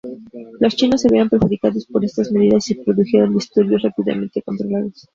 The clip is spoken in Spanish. Los chinos se vieron perjudicados por estas medidas y se produjeron disturbios, rápidamente controlados.